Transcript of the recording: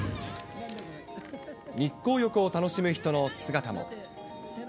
日光浴を楽しむ人の姿も。